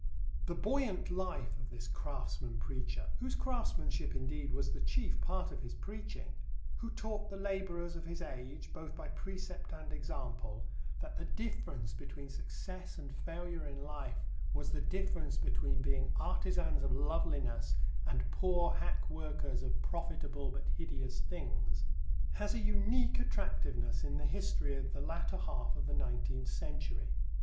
The buoyant life of this craftsman preacher whose craftsmanship, indeed, was the chief part of his preaching who taught the labourers of his age, both by precept and example, that the difference between success and failure in life was the difference between being artisans of loveliness and poor hackworkers of profitable but hideous things has a unique attractiveness in the history of the latter half of the nineteenth century.